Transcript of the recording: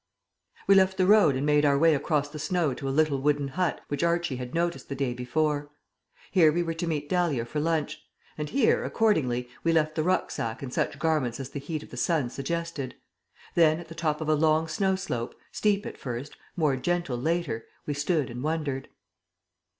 We left the road and made our way across the snow to a little wooden hut which Archie had noticed the day before. Here we were to meet Dahlia for lunch; and here, accordingly, we left the rucksack and such garments as the heat of the sun suggested. Then, at the top of a long snow slope, steep at first, more gentle later, we stood and wondered.